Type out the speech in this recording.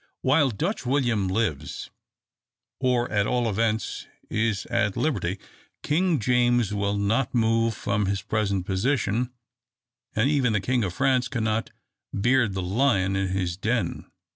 While Dutch William lives, or at all events is at liberty, King James will not move from his present position, and even the King of France cannot beard the lion in his den.